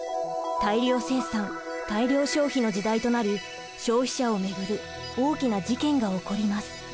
大量生産大量消費の時代となり消費者を巡る大きな事件が起こります。